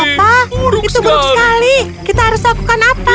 apa itu buruk sekali kita harus lakukan apa